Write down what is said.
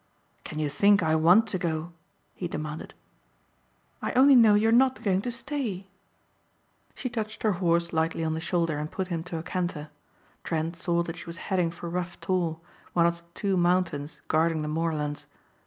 "Can you think I want to go?" he demanded. "I only know you are not going to stay." She touched her horse lightly on the shoulder and put him to a canter. Trent saw that she was heading for Rough Tor, one of the two mountains guarding the moorlands.